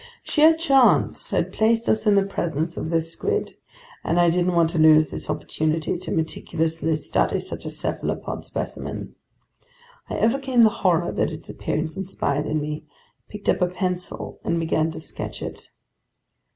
Sheer chance had placed us in the presence of this squid, and I didn't want to lose this opportunity to meticulously study such a cephalopod specimen. I overcame the horror that its appearance inspired in me, picked up a pencil, and began to sketch it.